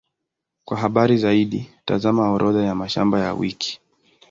Kwa habari zaidi, tazama Orodha ya mashamba ya wiki.